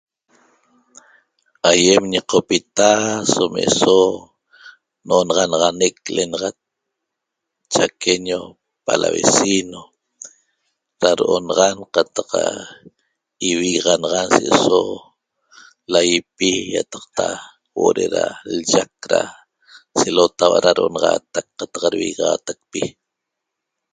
Aiem ñeqopita som eso no'onaxanaxanec le'enaxat Chaqueño Palavecino ra ro'onaxan qataq ivigaxanaxan se'eso laỹipi ỹataqta hu'o ra lyac ra selotaua'a ra ro'onaxatac qataq rvigaxatacpi